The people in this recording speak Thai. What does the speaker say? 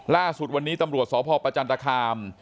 ล่าสุดวันนี้ตำรวจสพประจันตคาม